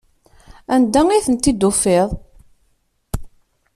Anda ay ten-id-tufiḍ?